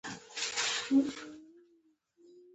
پیرودونکی د سوداګرۍ زړه دی.